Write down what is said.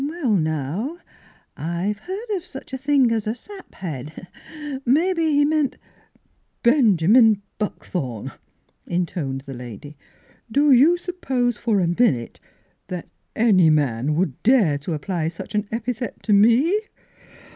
Well now, I've heard of such a thing as a sap head ; mebbe he meant —"" Benjamin Buckthorn," intoned the lady, " do you suppose for a minute that any man would dare to apply such an epi thet to me?